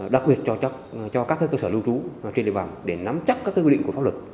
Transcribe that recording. đặc biệt cho các cơ sở lưu trú trên địa bàn để nắm chắc các quy định của pháp luật